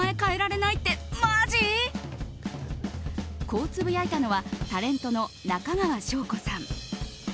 こうつぶやいたのはタレントの中川翔子さん。